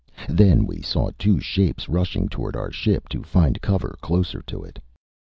Then we saw two shapes rushing toward our ship to find cover closer to it.